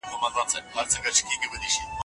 تاسي کولای شئ د دوربین په واسطه ستوري وګورئ.